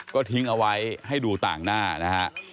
ก็ทิ้งเอาไว้ให้ดูต่างหน้านะฮะ